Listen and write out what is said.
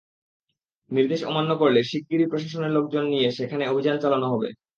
নির্দেশ অমান্য করলে শিগগিরই প্রশাসনের লোকজন নিয়ে সেখানে অভিযান চালানো হবে।